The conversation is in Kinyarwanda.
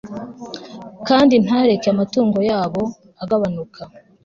kandi ntareke amatungo yabo agabanuka